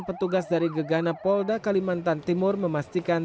petugas dari gegana poldakalimantan timur memastikan